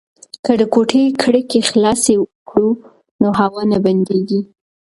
که د کوټې کړکۍ خلاصې کړو نو هوا نه بندیږي.